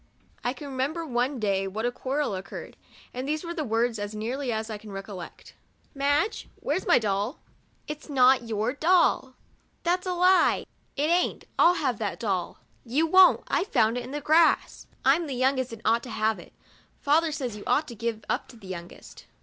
I can remember one day what a quarrel occur red, and these were the words, as nearly as I can recollect. " Madge, where's my doll !"" It 's not your doll." " That 's a lie." " It aint, 111 have that doll." " You won't, I found it in the grass." " I'm the youngest and ought to have it. Father says you ought to give up to the youngest."